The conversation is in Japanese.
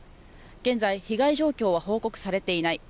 現在、被害状況は報告されていない。